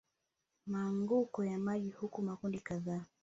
maanguko ya maji huku makundi kadhaa